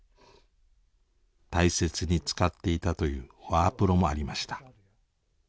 大切に使っていたというワープロもありました。